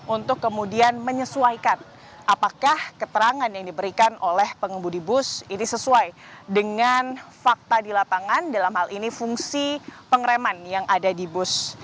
untuk kemudian menyesuaikan apakah keterangan yang diberikan oleh pengemudi bus ini sesuai dengan fakta di lapangan dalam hal ini fungsi pengereman yang ada di bus